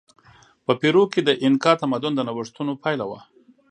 په پیرو کې د اینکا تمدن د نوښتونو پایله وه.